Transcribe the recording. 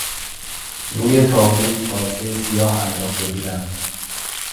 روی تابوت پارچهی سیاه انداخته بودند.